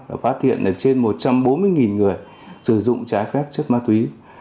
và phát hiện là trên một trăm bốn mươi người sử dụng trái phép chất ma túy